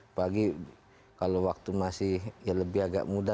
apalagi kalau waktu masih ya lebih agak muda